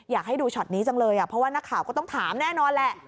อยากให้ดูช็อตนี้จังเลยเพราะว่านักข่าวก็ต้องถามแน่นอนแหละ